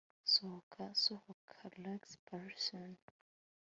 Sohoka sohoka Lars Porsena